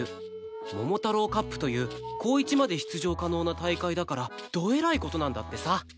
桃太郎カップという高１まで出場可能な大会だからどえらい事なんだってさ